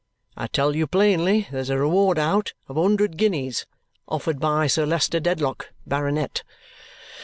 I tell you plainly there's a reward out, of a hundred guineas, offered by Sir Leicester Dedlock, Baronet.